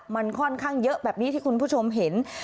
มันค่อนข้างเยอะแบบนี้ที่คุณผู้ชมเห็น